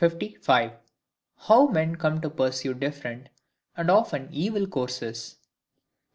How Men come to pursue different, and often evil Courses.